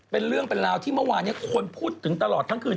เป็นเรื่องเป็นราวที่เมื่อวานนี้คนพูดถึงตลอดทั้งคืน